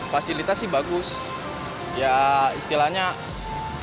fasilitas sih bagus ya istilahnya